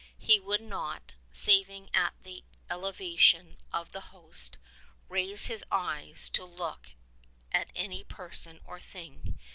He would not, saving at the Elevation of the Host, raise his eyes to look at any person or thing.